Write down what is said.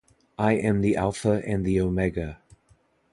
I am the alpha and the omega